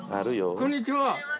こんにちは